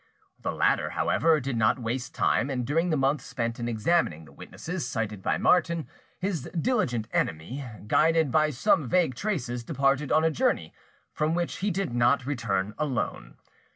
The latter, however, did not waste time, and during the month spent in examining the witnesses cited by Martin, his diligent enemy, guided by some vague traces, departed on a journey, from which he did not return alone.